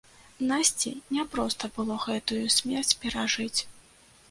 Насці няпроста было гэтую смерць перажыць.